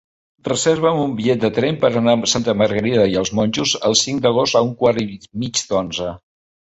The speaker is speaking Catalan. Reserva'm un bitllet de tren per anar a Santa Margarida i els Monjos el cinc d'agost a un quart i mig d'onze.